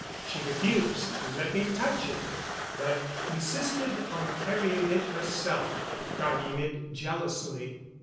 She refused to let me touch it, but insisted on carrying it herself, guarding it jealously.